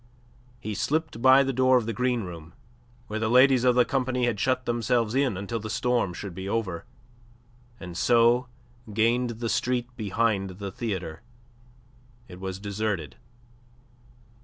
He slipped by the door of the green room, where the ladies of the company had shut themselves in until the storm should be over, and so gained the street behind the theatre. It was deserted.